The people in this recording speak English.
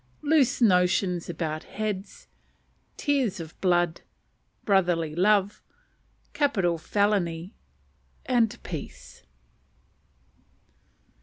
Loose Notions about Heads. Tears of Blood. Brotherly Love. Capital Felony. Peace.